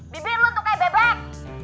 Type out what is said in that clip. bibir lu tuh kayak bebek